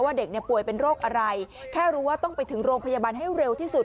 เด็กเนี่ยป่วยเป็นโรคอะไรแค่รู้ว่าต้องไปถึงโรงพยาบาลให้เร็วที่สุด